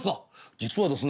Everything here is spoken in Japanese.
実はですね